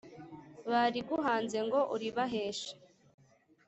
Bariguhanze ngo uribaheshe